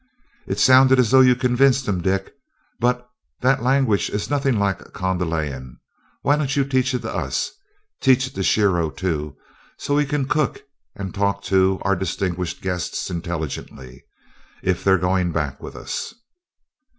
"It sounded as though you convinced him, Dick; but that language is nothing like Kondalian. Why don't you teach it to us? Teach it to Shiro, too, so he can cook for, and talk to, our distinguished guests intelligently, if they're going back with us."